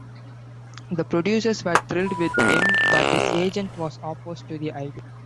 The producers were thrilled with him, but his agent was opposed to the idea.